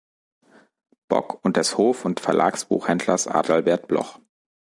Bock, und des Hof- und Verlagsbuchhändlers Adalbert Bloch.